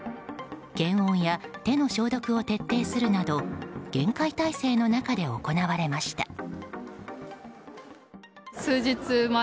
検温や手の消毒を徹底するなど厳戒態勢の中で行われました。